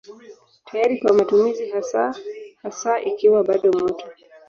Tayari kwa matumizi hasa hasa ikiwa bado moto.